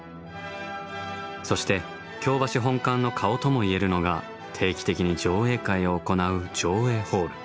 そして京橋本館の顔とも言えるのが定期的に上映会を行う上映ホール。